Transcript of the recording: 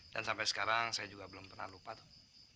dan sampai sekarang saya juga belum pernah lupa tuh